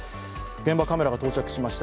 現場、カメラが到着しました。